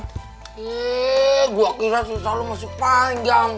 yee gua kira cerita lu masih panjang